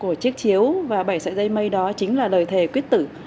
của chiếc chiếu và bảy sợi dây mây đó chính là đời thề quyết tử